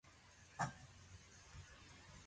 柳宗悦、夫人兼子のごとき声楽家もよくきておりました